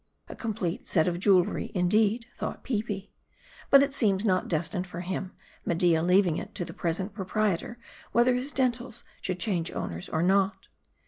A complete set of jewelry, indeed, thought Peepi. But, it seems, not destined for him ; Media leaving it to the present proprietor, whether his dentals should change owners or not.